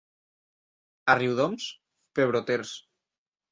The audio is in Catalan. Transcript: A Riudoms, pebroters.